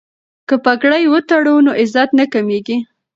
که پګړۍ وتړو نو عزت نه کمیږي.